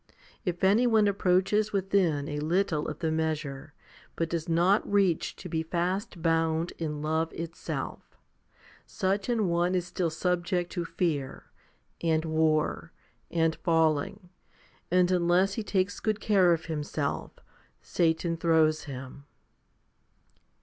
If anyone approaches within a little of the measure but does not reach to be fast bound in love itself, such an one is still subject to fear, and war, and falling, and unless he takes good care of himself, Satan throws him.